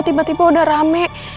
tiba tiba udah rame